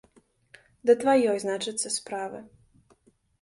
Да тваёй, значыцца, справы.